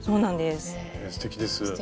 すてきです。